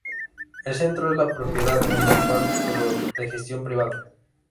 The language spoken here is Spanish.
El centro es de propiedad municipal pero de gestión privada.